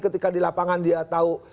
ketika di lapangan dia tahu